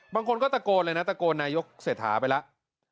บางคนก็ตะโกนเลยนะตะโกนนายกเศรษฐาไปแล้ว